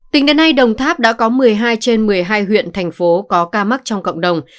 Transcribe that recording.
tính đến nay đồng tháp đã có một mươi hai trên một mươi hai huyện thành phố có ca mắc trong cộng đồng